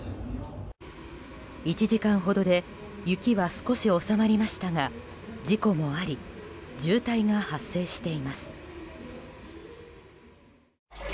１時間ほどで雪は少し収まりましたが事故もあり渋滞が発生しています。